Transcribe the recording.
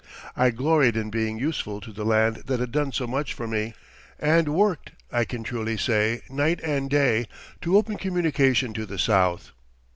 I gloried in being useful to the land that had done so much for me, and worked, I can truly say, night and day, to open communication to the South.